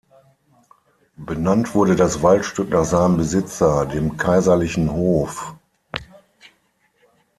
Benannt wurde das Waldstück nach seinem Besitzer, dem kaiserlichen Hof.